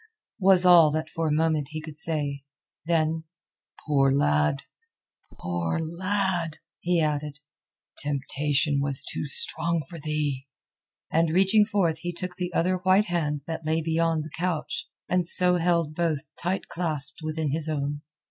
was all that for a moment he could say. Then: "Poor lad! Poor lad!" he added. "Temptation was too strong for thee." And reaching forth he took the other white hand that lay beyond the couch, and so held both tight clasped within his own.